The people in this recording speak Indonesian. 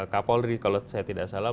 kapolri kalau saya tidak salah